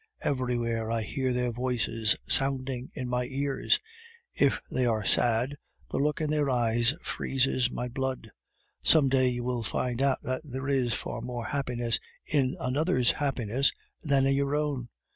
Everywhere I hear their voices sounding in my ears. If they are sad, the look in their eyes freezes my blood. Some day you will find out that there is far more happiness in another's happiness than in your own.